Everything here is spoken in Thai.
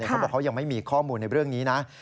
เขาบอกเขายังไม่มีข้อมูลในเรื่องนี้นะ